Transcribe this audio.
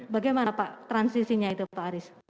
bagaimana pak transisinya itu pak aris